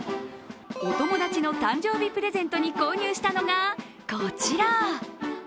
お友達の誕生日プレゼントに購入したのがこちら。